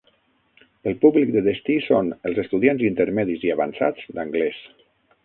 El públic de destí són els estudiants intermedis i avançats d'anglès.